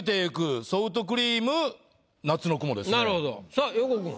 さあ横尾君。